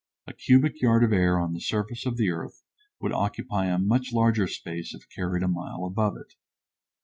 A cubic yard of air on the surface of the earth would occupy a much larger space if carried a mile above it.